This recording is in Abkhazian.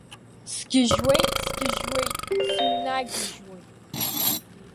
Сгьыжьуеит, сгьыжьуеит, сыҩнагьыжьуеит.